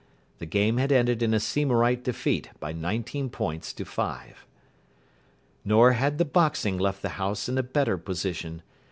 The game had ended in a Seymourite defeat by nineteen points to five. Nor had the Boxing left the house in a better position.